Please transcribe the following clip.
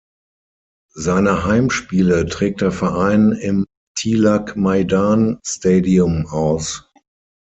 Seine Heimspiele trägt der Verein im "Tilak Maidan Stadium" aus.